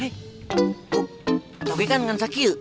eh toge kan dengan sakil